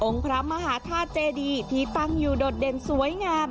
พระมหาธาตุเจดีที่ตั้งอยู่โดดเด่นสวยงาม